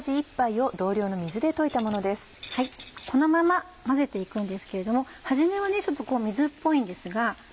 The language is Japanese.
このまま混ぜて行くんですけれども初めはちょっと水っぽいんですが。